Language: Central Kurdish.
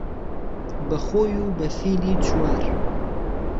بهخۆی و به فیلی چووار